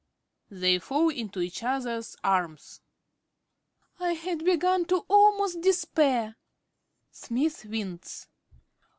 (They fall into each other's arms.) ~Arabella.~ I had begun to almost despair. (_Smith winces.